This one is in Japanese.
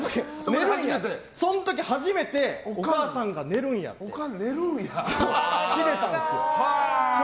その時初めてお母さんが寝るんやって知れたんですよ。